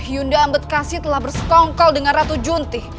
yunda ambekasi telah bersetongkol dengan ratu junti